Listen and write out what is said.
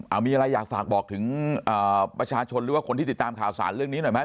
เอามีอะไรอยากฝากบอกถึงประชาชนหรือว่าคนที่ติดตามข่าวสารเรื่องนี้หน่อยไหม